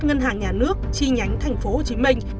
ngân hàng nhà nước chi nhánh thành phố hồ chí minh